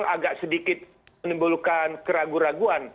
agak sedikit menimbulkan keraguan keraguan